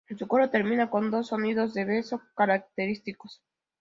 Su coro termina con dos sonidos de beso característicos.